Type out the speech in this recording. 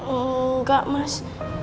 eee enggak mas